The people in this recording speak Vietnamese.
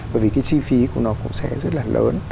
bởi vì cái chi phí của nó cũng sẽ rất là lớn